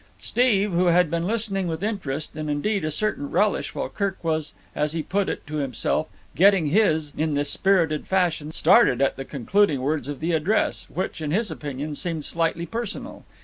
Steve, who had been listening with interest, and indeed, a certain relish while Kirk was, as he put it to himself, "getting his" in this spirited fashion, started at the concluding words of the address, which, in his opinion, seemed slightly personal.